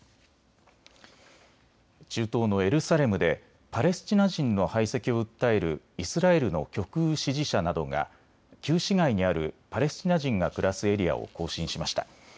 中東のエルサレムでパレスチナ人の排斥を訴えるイスラエルの極右支持者などが旧市街にあるパレスチナ人が暮らすエリアを行進しました。